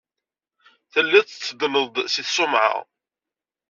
Telliḍ tetteddneḍ-d seg tṣumɛa.